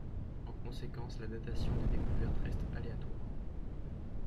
En conséquence la datation des découvertes reste aléatoire.